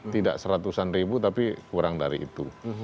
tidak seratusan ribu tapi kurang dari itu